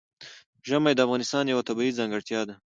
ژمی د افغانستان یوه طبیعي ځانګړتیا ده.